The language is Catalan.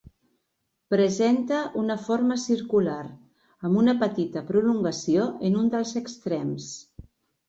Presenta una forma circular, amb una petita prolongació en un dels extrems.